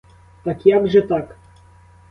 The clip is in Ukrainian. Так як же так?